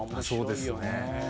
そうですね。